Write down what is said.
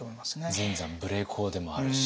全山無礼講でもあるし。